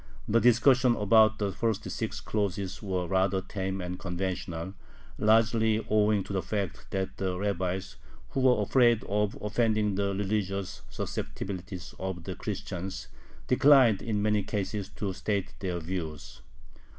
The discussion about the first six clauses was rather tame and conventional, largely owing to the fact that the rabbis, who were afraid of offending the religious susceptibilities of the Christians, declined in many cases to state their views.